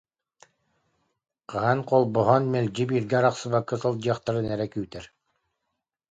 Хаһан холбоһон, мэлдьи бииргэ арахсыбакка сылдьыахтарын эрэ күүтэр